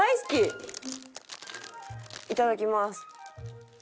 いただきます。